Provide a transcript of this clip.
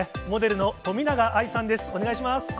モデルの冨永愛さんです。